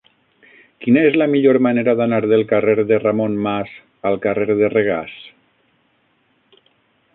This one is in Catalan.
Quina és la millor manera d'anar del carrer de Ramon Mas al carrer de Regàs?